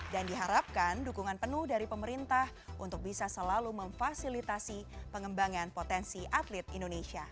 dan diharapkan dukungan penuh dari pemerintah untuk bisa selalu memfasilitasi pengembangan potensi atlet indonesia